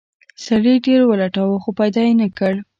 سړي ډیر ولټاوه خو پیدا یې نه کړ.